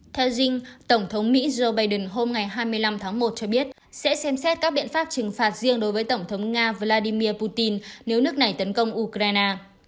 theo jean tổng thống mỹ joe biden hôm ngày hai mươi năm tháng một cho biết sẽ xem xét các biện pháp trừng phạt riêng đối với tổng thống nga vladimir putin nếu nước này tấn công ukraine